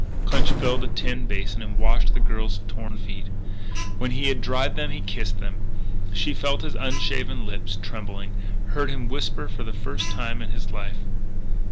Clinch filled a tin basin and washed the girl's torn feet. When he had dried them he kissed them. She felt his unshaven lips trembling, heard him whimper for the first time in his life.